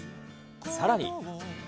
さらに。